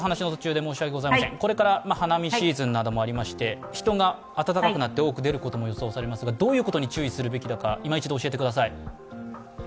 これから花見シーズンなどもありまして人が暖かくなって多く出ることも予想されますがどういうことに注意するべきかいま一度教えてください。